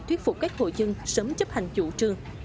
thuyết phục các hội dân sớm chấp hành chủ trương